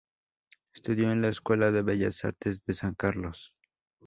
Estudió en la Escuela de Bellas Artes de San Carlos.